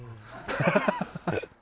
ハハハハ！